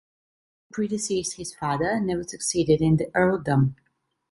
He predeceased his father and never succeeded in the earldom.